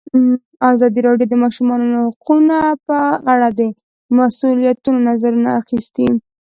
ازادي راډیو د د ماشومانو حقونه په اړه د مسؤلینو نظرونه اخیستي.